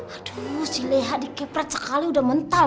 aduh si lea dikepret sekali udah mental